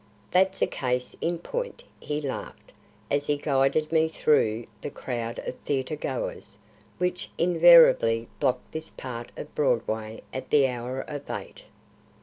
"That's a case in point," he laughed, as he guided me through the crowd of theatre goers which invariably block this part of Broadway at the hour of eight.